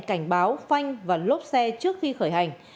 cảnh báo phanh và lốp xe trước khi khởi hành